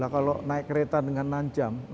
kalau naik kereta dengan enam jam